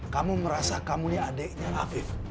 kamu merasa kamu ini adiknya afif